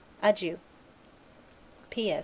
Adieu. P. S.